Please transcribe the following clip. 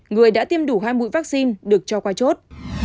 người đã tiêm đủ hai mũi vaccine được cho qua chốt